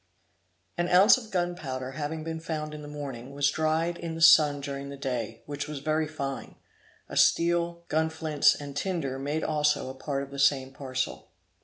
An ounce of gunpowder having been found in the morning, was dried in the sun during the day, which was very fine; a steel, gunflints, and tinder made also a part of the same parcel.